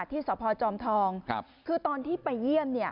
ที่สพจทองคือตอนไปเยี่ยม